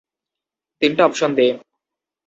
তিনটা অপশন দে।